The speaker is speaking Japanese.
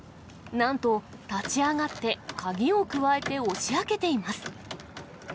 なんと、立ち上がって鍵をくわえて押し開けています。